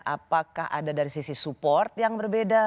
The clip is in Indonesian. apakah ada dari sisi support yang berbeda